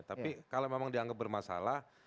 tapi kalau memang dianggap bermasalah